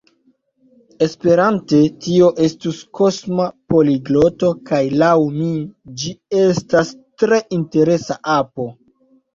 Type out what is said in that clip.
Esperante tio estus Kosma Poligloto kaj laŭ mi ĝi estas tre interesa apo